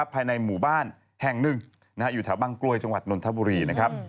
ภายในหมู่บ้านแห่งหนึ่งอยู่แถวบางกลวยจังหวัดนนทบุรีนะครับ